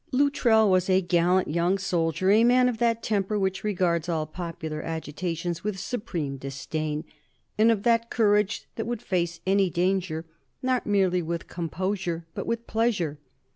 Luttrell was a gallant young soldier, a man of that temper which regards all popular agitations with supreme disdain, and of that courage that would face any danger, not merely with composure, but with pleasure.